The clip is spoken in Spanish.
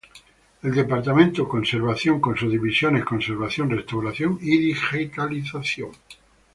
El Departamento Conservación con sus divisiones: Conservación, Restauración y Digitalización.